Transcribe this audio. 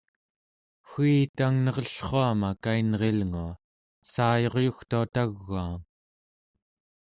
wii tang nerellruama kainrilngua, saayuryugtua tau͡gaam.